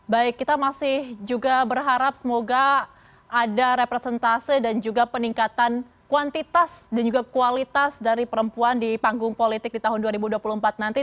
baik kita masih juga berharap semoga ada representase dan juga peningkatan kuantitas dan juga kualitas dari perempuan di panggung politik di tahun dua ribu dua puluh empat nanti